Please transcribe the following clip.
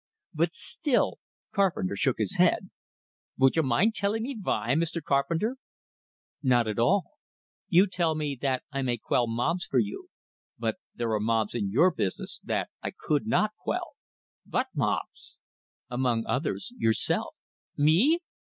But still Carpenter shook his head! "Vould you mind tellin' me vy, Mr. Carpenter?" "Not at all. You tell me that I may quell mobs for you. But there are mobs in your business that I could not quell." "Vot mobs?" "Among others, yourself." "Me?"